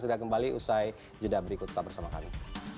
segera kembali usai jeda berikut tetap bersama kami